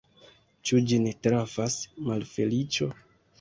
Ĉu ĝin trafas malfeliĉo?